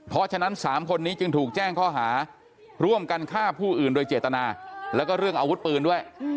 เพราะฉะนั้น๓คนนี้จึงถูกแจ้งข้อหาร่วมกันฆ่าผู้อื่นโดยเจตนาแล้วก็เรื่องอาวุธปืนด้วย